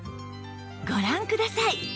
ご覧ください！